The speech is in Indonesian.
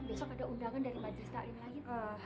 besok ada undangan dari majlis taklim lain